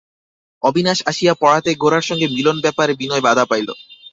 অবিনাশ আসিয়া পড়াতে গোরার সঙ্গে মিলন-ব্যাপারে বিনয় বাধা পাইল।